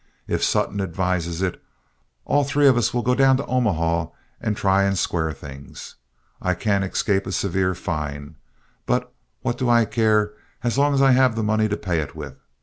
If Sutton advises it, all three of us will go down to Omaha and try and square things. I can't escape a severe fine, but what do I care as long as I have their money to pay it with?